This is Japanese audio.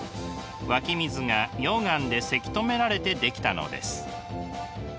湧き水が溶岩でせき止められてできたのです。